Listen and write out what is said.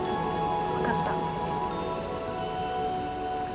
分かった。